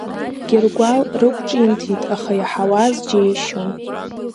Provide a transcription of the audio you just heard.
Гьыргәал рықәҿимҭит, аха иаҳауаз џьеишьон.